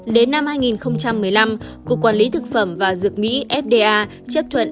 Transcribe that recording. đến năm hai nghìn một mươi năm cục quản lý thực phẩm và dược mỹ fda chấp thuận